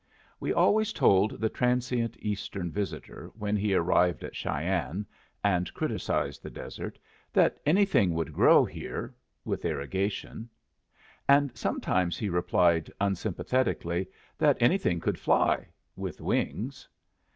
We always told the transient Eastern visitor, when he arrived at Cheyenne and criticised the desert, that anything would grow here with irrigation; and sometimes he replied, unsympathetically, that anything could fly with wings.